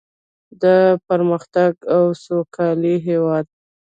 د پرمختګ او سوکالۍ هیواد.